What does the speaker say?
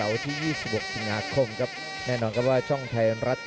และนี่คือรายละเอียดภาษา